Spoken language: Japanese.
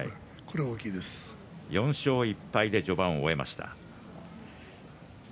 ４勝１敗で序盤を終えました。